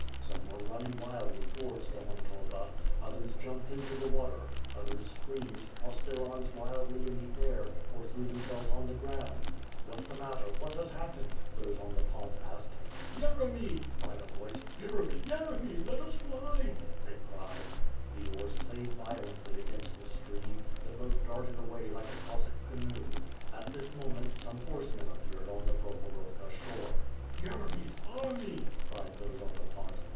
Some were running wildly towards Domomtova, others jumped into the water; others screamed, tossed their arms wildly in the air, or threw themselves on the ground. "What's the matter? What has happened?" those on the pont asked. "Yeremy!" cried a voice. "Yeremy, Yeremy, let us fly," they cried. The oars played violently against the stream, the boat darted awav like a Cossack canoe. At this moment, some horsemen appeared on the Prokhorovka shore. "Yeremy's army!" cried those on the pont.